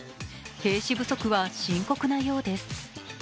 兵士不足は深刻なようです。